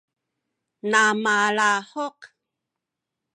na malahuk